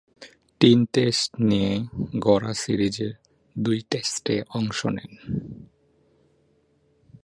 তিন টেস্ট নিয়ে গড়া সিরিজের দুই টেস্টে অংশ নেন।